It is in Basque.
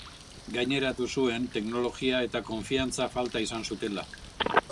Gaineratu zuen, teknologia eta konfiantza falta izan zutela.